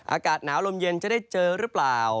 อากาศหนาวลมเย็นจะได้เจอหรือเปล่า